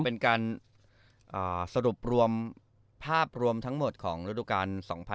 เป็นการสรุปรวมภาพรวมทั้งหมดของฤดูกาล๒๐๑๖